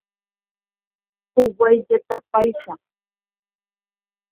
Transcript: Huguái jetapáicha.